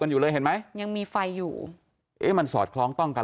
อยู่เลยเห็นไหมยังมีไฟอยู่เอ๊ะมันสอดคล้องต้องกัน